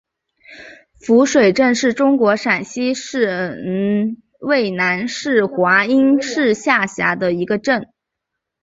夫水镇是中国陕西省渭南市华阴市下辖的一个镇。